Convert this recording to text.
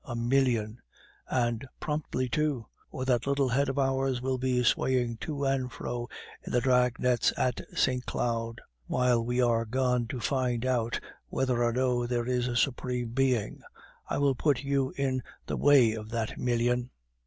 A million; and promptly, too, or that little head of ours will be swaying to and fro in the drag nets at Saint Cloud, while we are gone to find out whether or no there is a Supreme Being. I will put you in the way of that million."